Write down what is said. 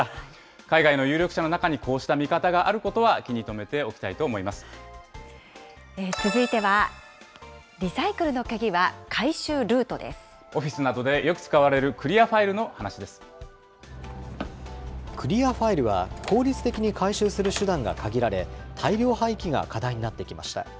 海外の有力者の中にこうした見方があることは、続いては、リサイクルのカギオフィスなどでよく使われるクリアファイルは、効率的に回収する手段が限られ、大量廃棄が課題になってきました。